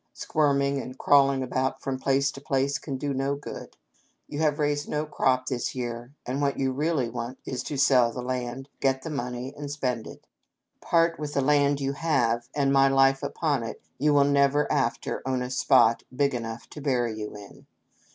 Squirming and crawling about from place to place can do no good. You have raised no crop this year, and what you really want is to sell the land, get the money and spend it. Part with the land you have, and, my life upon it, you will never after own a spot big enough to bury you in.